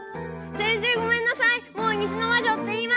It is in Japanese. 先生ごめんなさい！